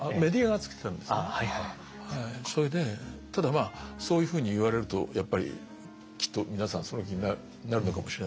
それでただまあそういうふうに言われるとやっぱりきっと皆さんその気になるのかもしれないし。